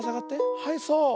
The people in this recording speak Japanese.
はいそう。